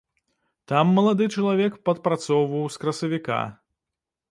Там малады чалавек падпрацоўваў з красавіка.